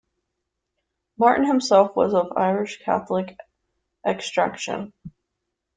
Martin himself was of Irish Catholic extraction.